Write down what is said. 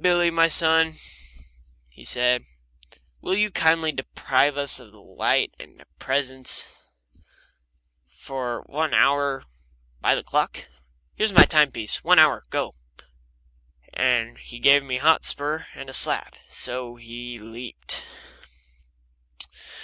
"Billy, my son," he said, "will you kindly deprive us of the light of your presence for one hour by the clock? Here's my timepiece one hour. Go!" And he gave Hotspur a slap so he leaped.